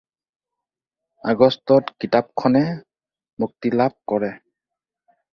আগষ্টত কিতাপখনে মুক্তিলাভ কৰে।